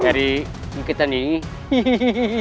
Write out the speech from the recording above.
dari ikutan ini